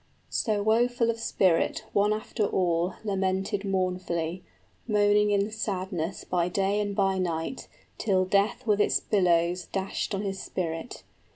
So, woful of spirit one after all Lamented mournfully, moaning in sadness By day and by night, till death with its billows {The fire dragon} Dashed on his spirit.